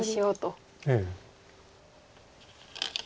ええ。